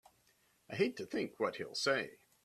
I hate to think what he'll say!